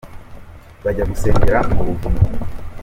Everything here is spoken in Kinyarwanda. Bajya gusengera mu buvumo